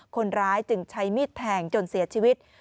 คนร้ายจึงใช้มีดแทงจนเสียชีวิต